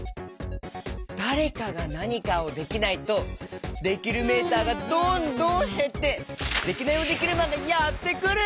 だれかがなにかをできないとできるメーターがどんどんへってデキナイヲデキルマンがやってくる！